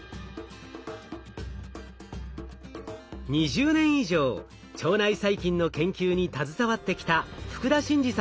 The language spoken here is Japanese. ２０年以上腸内細菌の研究に携わってきた福田真嗣さんです。